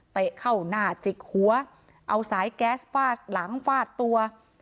เข้าหน้าจิกหัวเอาสายแก๊สฟาดหลังฟาดตัว